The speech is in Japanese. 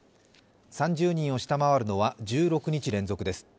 ３０人を下回るのは１６日連続です。